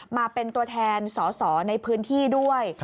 มาเป็นตัวแทนสอสอในพื้นที่ด้วย